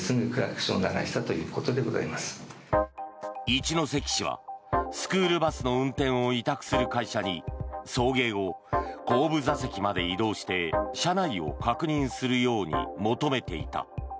一関市はスクールバスの運転を委託する会社に送迎後、後部座席まで移動して車内を確認するように求めていた。